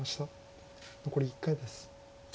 残り１回です。